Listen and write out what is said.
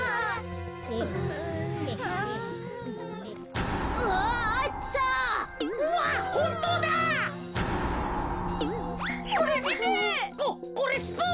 ここれスプーンか？